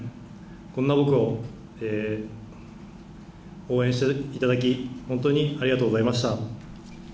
こんな僕を応援していただき、本当にありがとうございました。